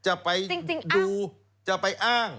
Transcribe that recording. จะไปดูจะไปอ้าง